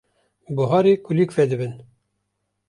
Buharî kulîlk vedibin.